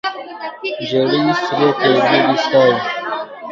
ژړې سرې پیالې دې ستا وي